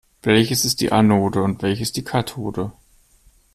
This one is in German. Welches ist die Anode und welches die Kathode?